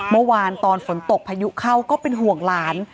เมื่อวานตอนฝนตกพายุเข้าก็เป็นห่วงหลาน